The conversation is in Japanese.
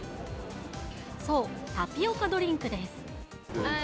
そう、タピオカドリンクです。